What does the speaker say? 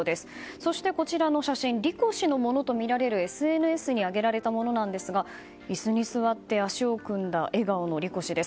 そして、こちらの写真リコ氏のものとみられるＳＮＳに上げられたものですが椅子に座って足を組んだ笑顔のリコ氏です。